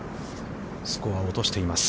スコアを落としています。